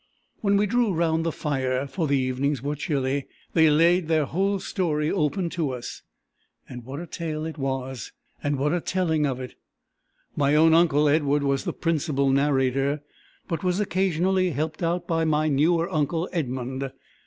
When we drew round the fire, for the evenings were chilly, they laid their whole history open to us. What a tale it was! and what a telling of it! My own uncle, Edward, was the principal narrator, but was occasionally helped out by my newer uncle, Edmund.